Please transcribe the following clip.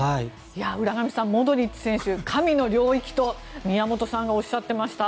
浦上さん、モドリッチ選手神の領域と宮本さんがおっしゃってました。